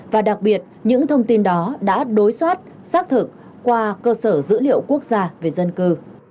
và đặc biệt những thông tin đó đã đối soát xác thực qua cơ sở dữ liệu quốc gia về dân cư